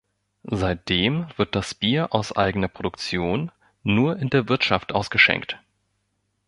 Seitdem wird das Bier aus eigener Produktion nur in der Wirtschaft ausgeschenkt.